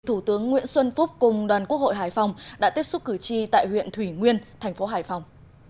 thủ tướng nguyễn xuân phúc cùng đoàn quốc hội hải phòng đã tiếp xúc cử tri tại huyện thủy nguyên thành phố hải phòng